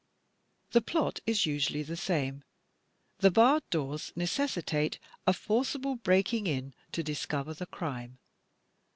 The plot is usually the same. The barred doors necessitate a forcible breaking in to discover the crime.